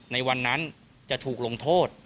ในวันนั้นจะถูกลงโทษ